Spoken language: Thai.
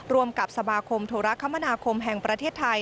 ร่วมกับสมาคมโทรคมนาคมแห่งประเทศไทย